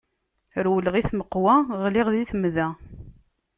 Rewleɣ i tmeqqwa, ɣliɣ di temda.